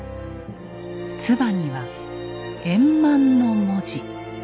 つばには「円満」の文字。